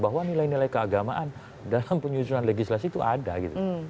bahwa nilai nilai keagamaan dalam penyusunan legislasi itu ada gitu